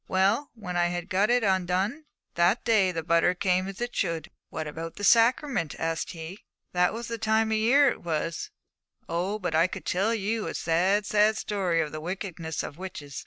Well, when I had got it undone, that day the butter came as it should!' 'But what about the sacrament?' asked he. 'That was the time of the year it was. Oh, but I could tell you a sad, sad story of the wickedness of witches.